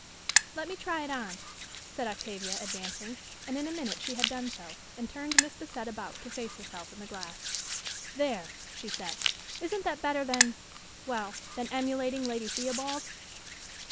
"Let me try it on," said Octavia, advancing; and in a minute she had done so, and turned Miss Bassett about to face herself in the glass. "There!" she said. "Isn't that better than well, than emulating Lady Theobald?"